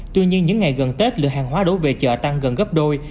tuy nhiên những ngày gần tết lượng hàng hóa đổ về chợ tăng gần gấp đôi